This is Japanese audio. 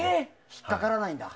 引っかからないんだ。